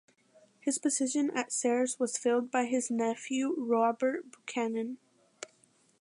His position at Ceres was filled by his nephew Robert Buchanan.